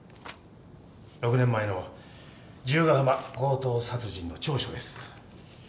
６年前の十ヶ浜強盗殺人の調書です。